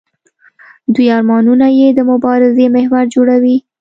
دوی ارمانونه یې د مبارزې محور جوړوي.